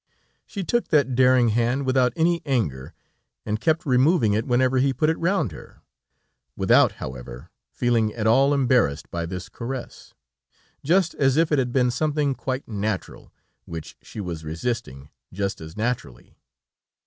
She took that daring hand without any anger, and kept removing it whenever he put it round her; without, however, feeling at all embarrassed by this caress, just as if it had been something quite natural, which she was resisting just as naturally.